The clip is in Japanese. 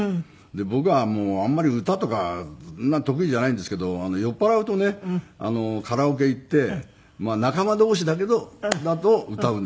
僕はもうあんまり歌とかそんな得意じゃないんですけど酔っ払うとねカラオケ行って仲間同士だけだと歌うんですよ。